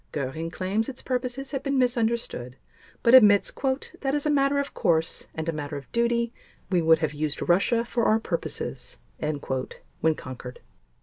Göring claims its purposes have been misunderstood but admits "that as a matter of course and a matter of duty we would have used Russia for our purposes," when conquered.